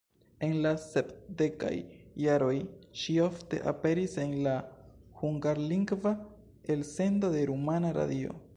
En la sepdekaj jaroj ŝi ofte aperis en la hungarlingva elsendo de Rumana Radio.